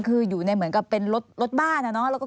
คืออยู่ในรถบ้านเนี่ยเนาะ